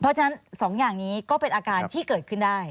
เพราะฉะนั้น๒อย่างนี้ก็เป็นอาการที่เกิดขึ้นได้